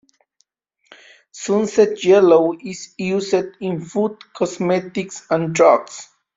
Sunset Yellow is used in food, cosmetics, and drugs.